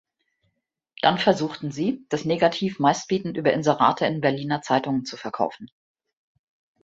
Dann versuchten sie, das Negativ meistbietend über Inserate in Berliner Zeitungen zu verkaufen.